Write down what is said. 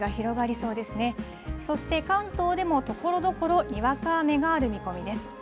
そして関東でも、ところどころ、にわか雨がある見込みです。